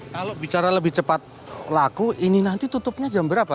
kalau bicara lebih cepat laku ini nanti tutupnya jam berapa